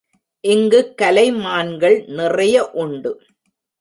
இங்குக் கலைமான்கள் நிறைய உண்டு.